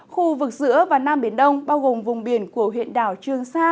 khu vực giữa và nam biển đông bao gồm vùng biển của huyện đảo trương sa